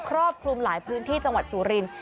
ครอบคลุมหลายพื้นที่จังหวัดสุรินทร์